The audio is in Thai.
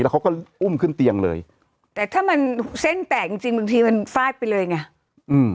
เขาก็อุ้มขึ้นเตียงเลยแต่ถ้ามันเส้นแตกจริงจริงบางทีมันฟาดไปเลยไงอืม